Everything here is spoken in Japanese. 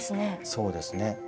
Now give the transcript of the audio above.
そうですね。